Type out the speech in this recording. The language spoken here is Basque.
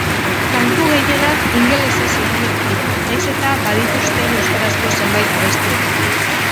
Kantu gehienak ingelesez eginak dira, nahiz eta badituzten euskarazko zenbait abesti ere.